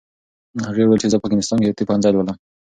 هغې وویل چې زه په انګلستان کې د طب پوهنځی لولم.